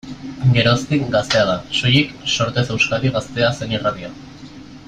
Geroztik, Gaztea da, soilik, sortzez Euskadi Gaztea zen irratia.